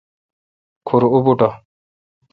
کھور اوبوٹھ۔